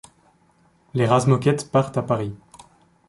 Les Razmoket partent à Paris.